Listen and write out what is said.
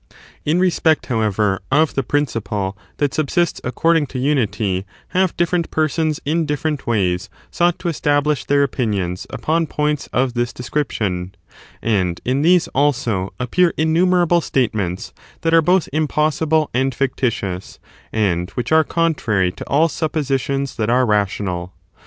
In respect, however, of the principle that subsists according to unity have different persons in different ways sought to establish their opinions upon points of this description : and in these, also, appear innumerable statements that are both impossible and fictitious, and which are contrary to all suppositions that are rational.